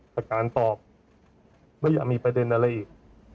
แต่การสอบไม่อยากมีประเด็นอะไรอีก